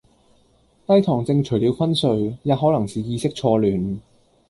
低糖症除了昏睡，也可能是意識錯亂